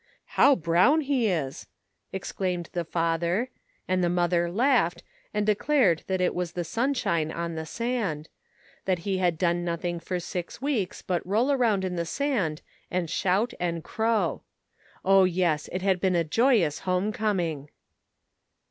" How brown he is," exclaimed the father, and the mother laughed and declared that it was the sunshine on the sand — that he had done nothing for six weeks but roll around in the sand and shout and crow. Oh yes, it had been a joyous home coming.